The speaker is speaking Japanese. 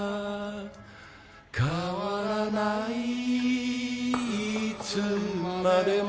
変わらないいつまでも